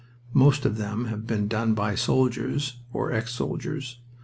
Most of them have been done by soldiers or ex soldiers.